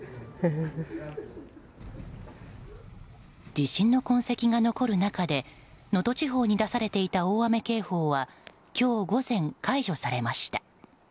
地震の痕跡が残る中で能登地方に出されていた大雨警報は今日午前、解除されました。